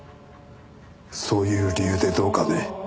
そういう理由でどうかね？